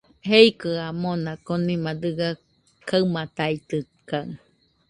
Jeikɨaɨ mona, konima dɨga kaɨmaitaitɨkaɨ